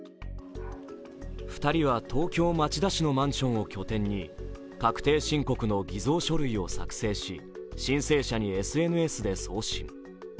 ２人は東京・町田市のマンションを拠点に、確定申告の偽造書類を作成し申請者にＳＮＳで送信。